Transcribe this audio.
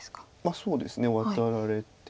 そうですねワタられて。